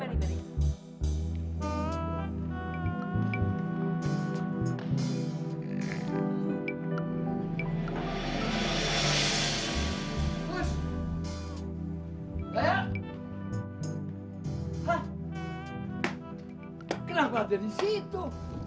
kenapa ada di situ